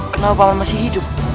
kenapa paman masih hidup